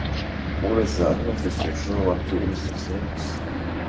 ყურე წარმოადგენს მნიშვნელოვან ტურისტულ ცენტრს.